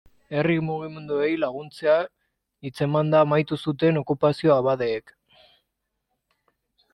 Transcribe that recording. Herri mugimenduei laguntzea hitzemanda amaitu zuten okupazioa abadeek.